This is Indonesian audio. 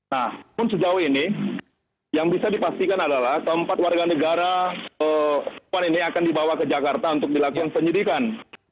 nah pun sejauh ini yang bisa dipastikan adalah keempat warga negarawan ini akan dibawa ke jakarta untuk dilakukan penyidikan